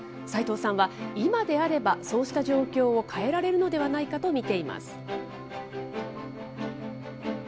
斎藤さんは、今であればそうした状況を変えられるのではないかと見ています。